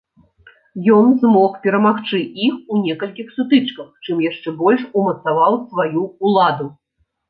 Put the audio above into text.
Ён змог перамагчы іх у некалькіх сутычках, чым яшчэ больш умацаваў сваю ўладу.